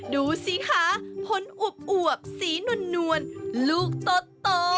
ดูสิคะผลอุบอวบสีนวนลูกโต๊ะ